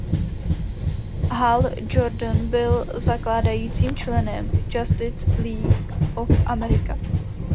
Hal Jordan byl zakládajícím členem Justice League of America.